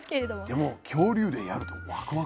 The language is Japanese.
でも恐竜でやるとワクワクしますね。